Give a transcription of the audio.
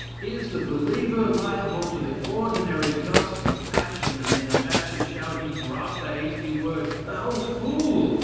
Is the believer liable to the ordinary gusts of passion, and in a passion shall he drop the hasty word, 'thou fool!'